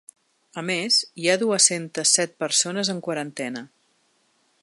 A més, hi ha dues-centes set persones en quarantena.